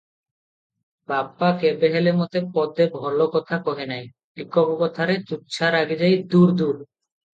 ବାପା କେବେହେଲେ ମତେ ପଦେ ଭଲ କଥା କହେ ନାହିଁ, ଟିକକ କଥାରେ ତୁଚ୍ଛା ରାଗିଯାଇ, 'ଦୂର୍ ଦୂର୍!